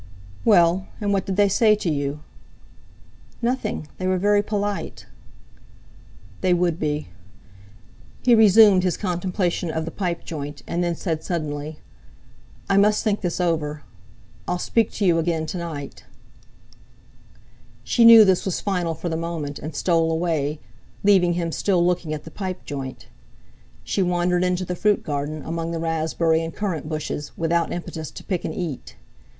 "Well, and what did they say to you?" "Nothing. They were very polite." "They would be." He resumed his contemplation of the pipe joint, and then said suddenly: "I must think this over—I'll speak to you again to night." She knew this was final for the moment, and stole away, leaving him still looking at the pipe joint. She wandered into the fruit garden, among the raspberry and currant bushes, without impetus to pick and eat.